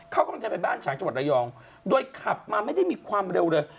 เขากำลังจะไปบ้านฉางจังหวัดระยองโดยขับมาไม่ได้มีความเร็วเลย